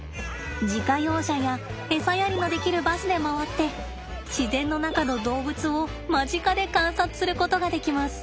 自家用車やエサやりのできるバスで回って自然の中の動物を間近で観察することができます。